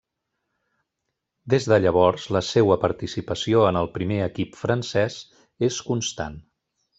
Des de llavors la seua participació en el primer equip francès és constant.